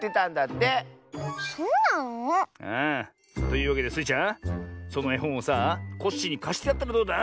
というわけでスイちゃんそのえほんをさあコッシーにかしてやったらどうだ？